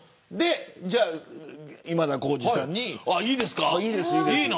じゃあ今田耕司さんに。